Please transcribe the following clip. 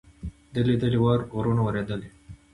دلۍ دلۍ واوره په غرونو ورېدلې.